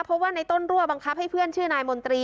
เพราะว่าในต้นรั่วบังคับให้เพื่อนชื่อนายมนตรี